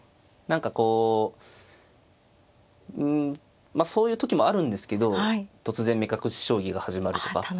何かこうそういう時もあるんですけど突然目隠し将棋が始まるとか。